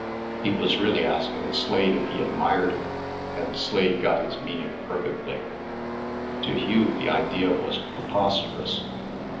He was really asking Slade if he admired him, and Slade got his meaning perfectly. To Hugh the idea was preposterous.